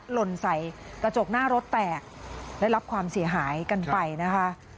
หล่นใส่กระจกหน้ารถแตกได้รับความเสียหายกันไปนะคะ